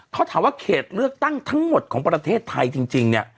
เขาถามว่าเขตเลือกตั้งทั้งหมดของประเทศไทยจริงเนี่ย